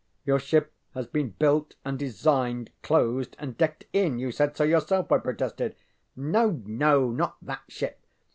ŌĆ£Your ship has been built and designed, closed and decked in; you said so yourself, ŌĆØ I protested. ŌĆ£No, no, not that ship.